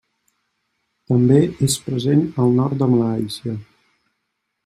També és present al nord de Malàisia.